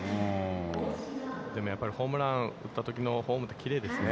でもやっぱりホームラン打ったときのフォームってきれいですよね。